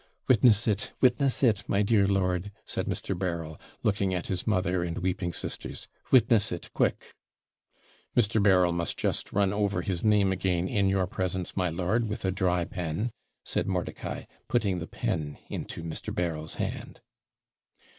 'Witness it, witness it, my dear lord,' said Mr. Berryl, looking at his mother and weeping sisters; 'witness it, quick!' 'Mr. Berryl must just run over his name again in your presence, my lord, with a dry pen,' said Mordicai, putting the pen into Mr. Berryl's hand.